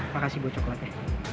makasih buat coklatnya